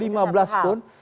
itu satu hal